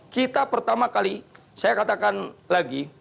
kita pertama kali saya katakan lagi